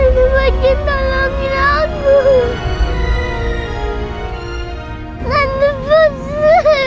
rina dibohong lebih kecil